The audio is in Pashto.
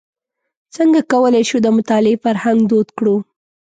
څنګه کولای شو د مطالعې فرهنګ دود کړو.